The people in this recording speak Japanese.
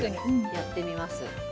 やってみます。